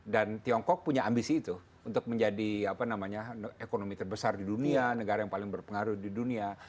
dan tiongkok punya ambisi itu untuk menjadi ekonomi terbesar di dunia negara yang paling berpengaruh di dunia